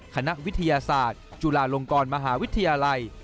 คณะวิทยาศาสตร์จุฬาลงกรมหาวิทยาลัย